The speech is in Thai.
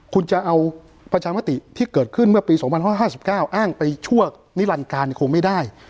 คุณจะเอาประชามาติที่เกิดขึ้นเมื่อปีสองพันธุ์ห้าห้าสิบเก้าอ้างไปชั่วนิรรณการคงไม่ได้